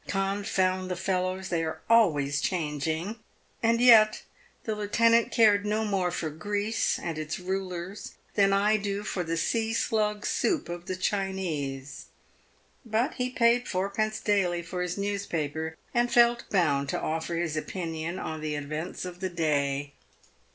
Confound the fellows ! they are always changing." And yet the lieutenant cared no more for Greece and its rulers than I do for the sea slug soup of the Chinese, but he paid fourpence daily for his newspaper, and felt bound to offer his opinion on the events of the day.